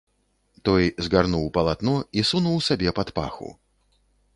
Той згарнуў палатно і сунуў сабе пад паху.